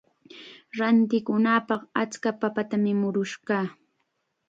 Rantikunapaq achka papatam murush kaa.